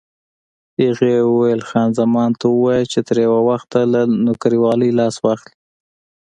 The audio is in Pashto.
هغې وویل: خان زمان ته ووایه چې تر یو وخته له نوکرېوالۍ لاس واخلي.